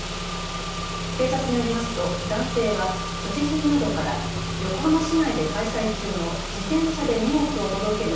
警察によりますと男性は所持品などから横浜市内で開催中の自転車で荷物を届ける